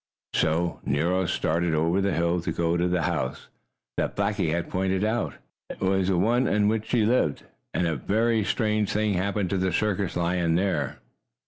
So Nero started over the hill to go to the house that Blackie had pointed out as the one in which she lived. And a very strange thing happened to the circus lion there.